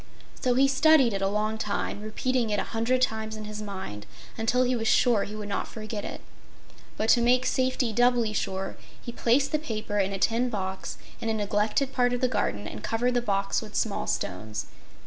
So he studied it a long time, repeating it a hundred times in his mind until he was sure he would not forget it. But to make safety doubly sure he placed the paper in a tin box in a neglected part of the garden and covered the box with small stones.